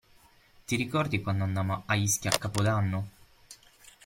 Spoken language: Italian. Ti ricordi quando andammo a Ischia a Capodanno?